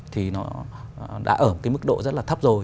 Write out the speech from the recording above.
thì nó đã ở cái mức độ rất là thấp rồi